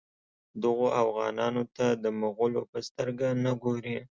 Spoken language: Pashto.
دغو اوغانانو ته د مغولو په سترګه نه ګوري.